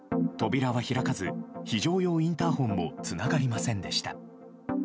扉は開かず非常用インターホンもつながりませんでした。